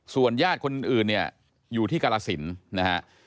ส่วนญาติคนอื่นอยู่ที่กรสินนะฮะ